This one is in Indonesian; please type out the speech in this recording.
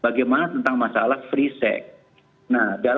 bagaimana tentang masalah free seks